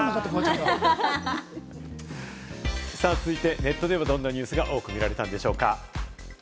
続いてネットではどんなニュースが多く見られたんでしょうか？